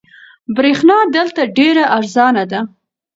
برېښنا دلته ډېره ارزانه ده.